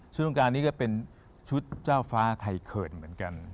ซึ่งวงการนี้ก็เป็นชุดเจ้าฟ้าไทยเขินเหมือนกัน